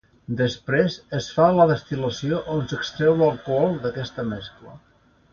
Després es fa la destil·lació on s'extreu l'alcohol d'aquesta mescla.